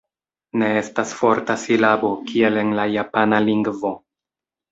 Ne estas forta silabo, kiel en la japana lingvo.